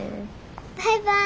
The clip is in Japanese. バイバーイ。